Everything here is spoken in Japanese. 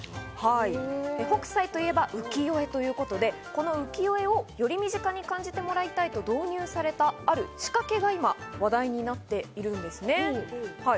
北斎といえば、浮世絵ということで、この浮世絵をより身近に感じてもらいたいと導入されたある仕掛けが今話題になっているんですね。